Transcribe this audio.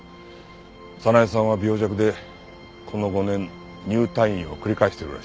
早苗さんは病弱でこの５年入退院を繰り返しているらしい。